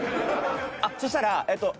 そしたらえっと。